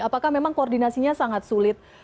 apakah memang koordinasinya sangat sulit